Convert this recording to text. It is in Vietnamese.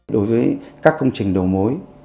đối với các công trình đồ mối